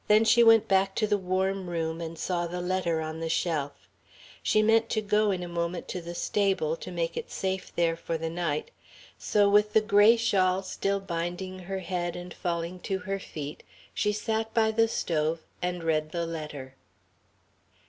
Then she went back to the warm room and saw the letter on the shelf. She meant to go in a moment to the stable to make it safe there for the night; so, with the gray shawl still binding her head and falling to her feet, she sat by the stove and read the letter.